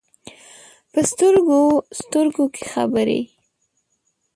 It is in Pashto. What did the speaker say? په سترګو، سترګو کې خبرې ،